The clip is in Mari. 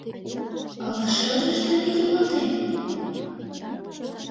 Ала шыдыж дене йӱлатен?..